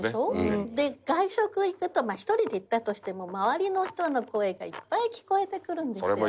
外食行くと１人で行ったとしても周りの人の声がいっぱい聞こえてくるんですよ。